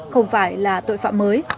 không phải là tội phạm mới